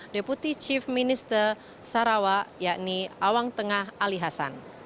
deputi chief minister sarawak yakni awang tengah ali hasan